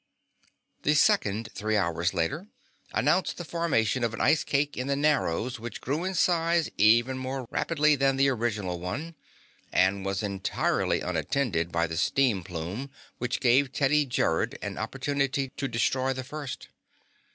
The second, three hours later, announced the formation of an ice cake in the Narrows which grew in size even more rapidly than the original one, and was entirely unattended by the steam plume which gave Teddy Gerrod an opportunity to destroy the first.